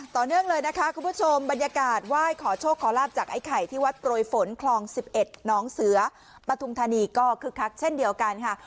ต่อเนื่องเลยนะคะคุณผู้ชมบรรยากาศไหว้ขอโชคขอลาบจากไอ้ไข่ที่วัดโปรยฝนคลอง๑๑น้องเสือปฐุมธานีก็คึกคักเช่นเดียวกันค่ะ